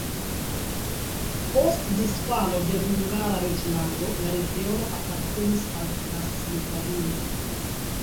Post disfalo de Hungara reĝlando la regiono apartenis al Transilvanio.